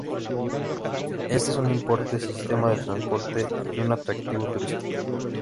Este es un importante sistema de transporte y un atractivo turístico.